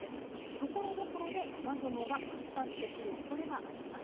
ところどころで雨雲が湧き立ってくるおそれがあります。